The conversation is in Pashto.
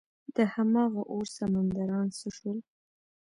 دهمغه اور سمندران څه شول؟